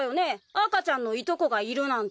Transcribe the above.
赤ちゃんのいとこがいるなんて。